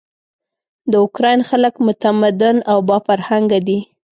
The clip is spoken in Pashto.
د اوکراین خلک متمدن او با فرهنګه دي.